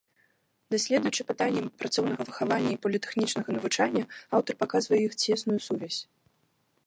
Даследуючы пытанні працоўнага выхавання і політэхнічнага навучання, аўтар паказвае іх цесную сувязь.